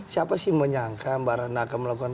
siapa sih menyangka mbak rana akan melakukan